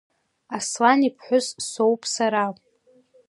Аслан иԥҳәыс соуп сара…